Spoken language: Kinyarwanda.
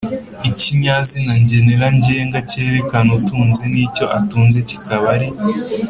ikinyazina ngenera ngenga kerekana utunze n’icyo atunze kikaba ari